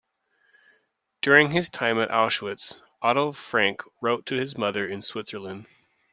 During his time at Auschwitz, Otto Frank wrote to his mother in Switzerland.